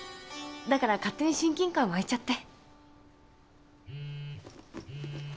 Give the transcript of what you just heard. だから勝手に親近感湧いちゃって。